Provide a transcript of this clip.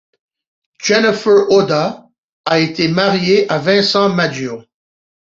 Jennifer Oda a été mariée à Vincent Maggio.